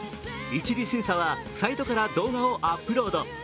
１次審査はサイトから動画をアップロード。